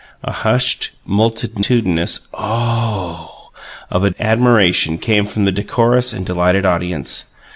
A hushed, multitudinous "O OH" of admiration came from the decorous and delighted audience.